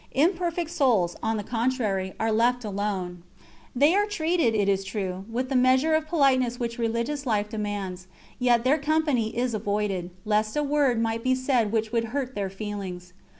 Imperfect souls, on the contrary, are left alone. They are treated, it is true, with the measure of politeness which religious life demands; yet their company is avoided, lest a word might be said which would hurt their feelings.